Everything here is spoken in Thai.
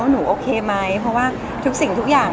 หนูโอเคไหมเพราะว่าทุกสิ่งทุกอย่าง